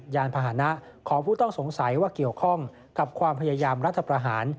ยานพาหนะของผู้ต้องสงสัยว่าเกี่ยวข้องกับความพยายามรัฐประหาร